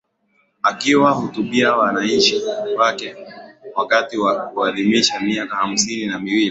akiwa hutubia wananchi wake wakati wa kuadhimisha miaka hamsini na miwili